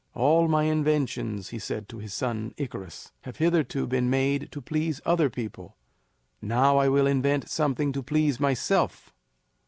"All my inventions," he said to his son Icarus, "have hitherto been made to please other people; now I will invent something to please myself."